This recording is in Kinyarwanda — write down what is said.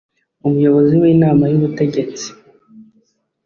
umuyobozi w Inama y Ubutegetsi